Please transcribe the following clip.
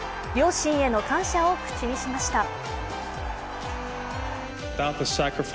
両親への感謝を口にしました。